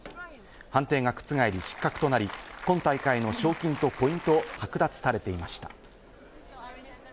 判定が覆り失格となり、今大会の賞金とポイントを剥奪されていました。